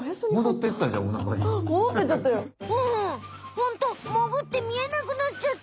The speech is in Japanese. ホントもぐってみえなくなっちゃった。